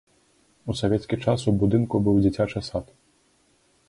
У савецкі час у будынку быў дзіцячы сад.